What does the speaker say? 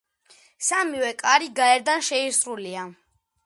სამივე კარი გარედან შეისრულია.